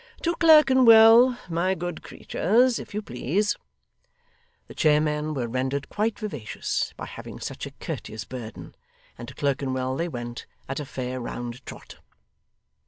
To Clerkenwell, my good creatures, if you please!' The chairmen were rendered quite vivacious by having such a courteous burden, and to Clerkenwell they went at a fair round trot.